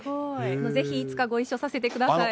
ぜひいつかご一緒させてください。